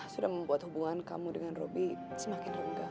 sudah membuat hubungan kamu dengan robby semakin renggang